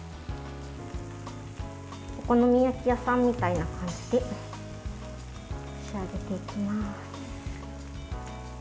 お好み焼き屋さんみたいな感じで仕上げていきます。